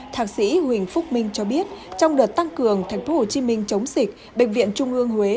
thạc sĩ huỳnh phúc minh cho biết trong đợt tăng cường tp hcm chống dịch bệnh viện trung ương huế